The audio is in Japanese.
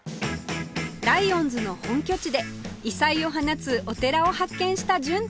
ライオンズの本拠地で異彩を放つお寺を発見した純ちゃん